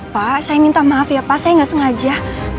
pak saya minta maaf ya pak saya nggak sengaja